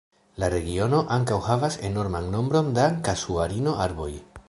La regiono ankaŭ havas enorman nombron da Kasuarino-arboj.